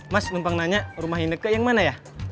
mas numpang nanya rumah ineke yang mana ya